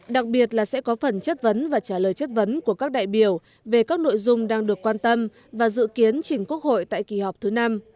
đặc biệt là sẽ có phần chất vấn và trả lời chất vấn của các đại biểu về các nội dung đang được quan tâm và dự kiến chỉnh quốc hội tại kỳ họp thứ năm